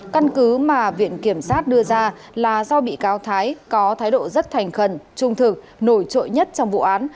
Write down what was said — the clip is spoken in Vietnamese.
căn cứ mà viện kiểm sát đưa ra là do bị cáo thái có thái độ rất thành khẩn trung thực nổi trội nhất trong vụ án